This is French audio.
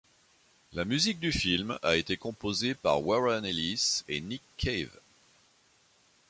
La musique du film a été composée par Warren Ellis et Nick Cave.